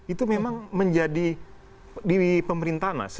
itu memang menjadi di pemerintahan mas